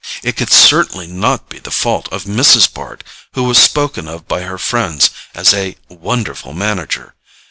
It could certainly not be the fault of Mrs. Bart, who was spoken of by her friends as a "wonderful manager."